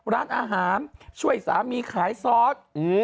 ร้านอาหารช่วยสามีขายซอส